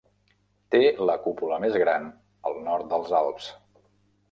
Té la cúpula més gran al nord dels Alps.